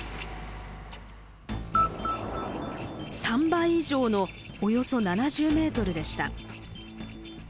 ３倍以上のおよそ７０ｍでした。